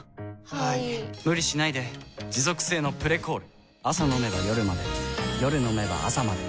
はい・・・無理しないで持続性の「プレコール」朝飲めば夜まで夜飲めば朝まで